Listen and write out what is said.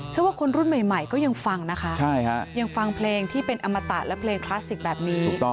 ว่าคนรุ่นใหม่ก็ยังฟังนะคะยังฟังเพลงที่เป็นอมตะและเพลงคลาสสิกแบบนี้